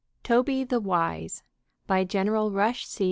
TOBY THE WISE By General Rush C.